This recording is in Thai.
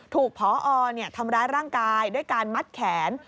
ถูกพอทำร้ายร่างกายด้วยการมัดแขน